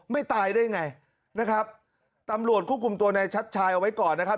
ตายได้ไงนะครับตำรวจควบคุมตัวในชัดชายเอาไว้ก่อนนะครับ